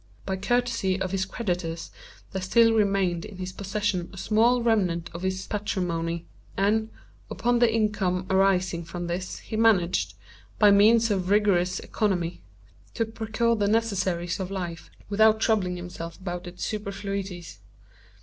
By courtesy of his creditors, there still remained in his possession a small remnant of his patrimony; and, upon the income arising from this, he managed, by means of a rigorous economy, to procure the necessaries of life, without troubling himself about its superfluities.